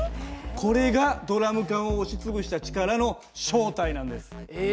これがドラム缶を押し潰した力の正体なんです。